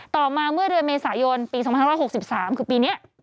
ต่อมาเมื่อเดือนเมษายนปี๒๕๖๓คือปีนี้